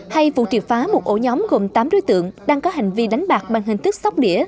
hay vụ triệt phá một ổ nhóm gồm tám đối tượng đang có hành vi đánh bạc bằng hình thức sóc đĩa